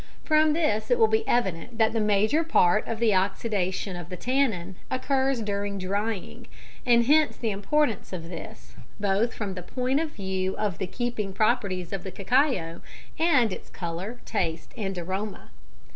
From this it will be evident that the major part of the oxidation of the tannin occurs during drying, and hence the importance of this, both from the point of view of the keeping properties of the cacao, and its colour, taste and aroma.